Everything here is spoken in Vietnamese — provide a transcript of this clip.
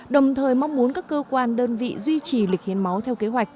đồng thời mong muốn các cơ quan đơn vị duy trì lịch hiến máu theo kế hoạch